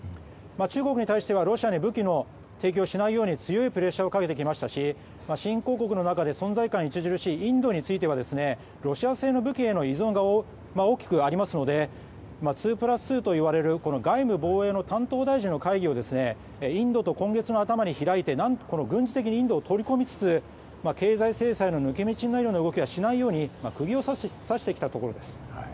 中国に対してはロシアに武器の提供をしないよう強いプレッシャーをかけてきましたし新興国の中で存在感著しいインドに対してはロシア製の武器への依存が大きくありますので２プラス２といわれる外務防衛の担当大臣の会議をインドと今月の頭に開いて軍事的に取り込みつつ経済制裁の抜け道にならないように釘を刺してきたところです。